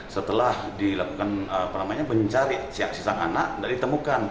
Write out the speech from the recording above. setelah dilakukan pencarian siap siap anak tidak ditemukan